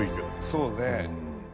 そうね。